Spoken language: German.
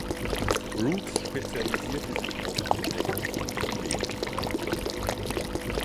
Brooks spezialisierte sich auf die Entdeckung von Kometen.